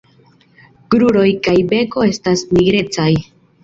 Kruroj kaj beko estas nigrecaj.